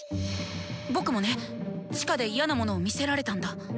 僕もね地下で嫌なものを見せられたんだ！